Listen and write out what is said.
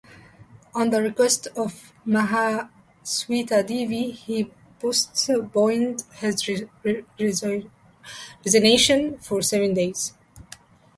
On the request of Mahasweta Devi he postponed his resignation for seven days.